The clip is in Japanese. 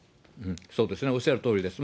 そうですね、おっしゃるとおりです。